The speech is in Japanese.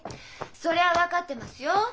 それは分かってますよ。